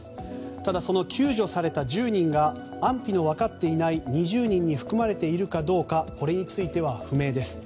ただ、救助された１０人が安否の分かっていない２０人に含まれているかどうかについては不明です。